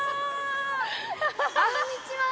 こんにちは！